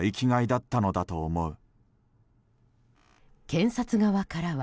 検察側からは。